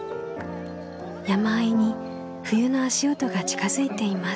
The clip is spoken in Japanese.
山あいに冬の足音が近づいています。